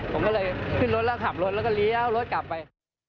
ผมก็เลยขึ้นรถแล้วขับรถแล้วก็เลี้ยวรถกลับไป